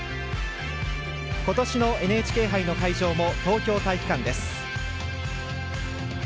今年のＮＨＫ杯の会場も東京体育館です。